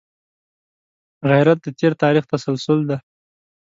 غیرت د تېر تاریخ تسلسل دی